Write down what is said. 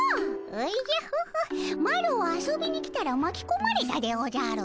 おじゃホホッマロは遊びに来たらまきこまれたでおじゃる。